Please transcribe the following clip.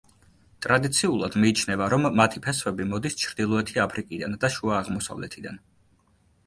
ტრადიციულად მიიჩნევა, რომ მათი ფესვები მოდის ჩრდილოეთი აფრიკიდან და შუა აღმოსავლეთიდან.